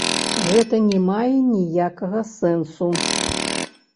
Гэта не мае ніякага сэнсу.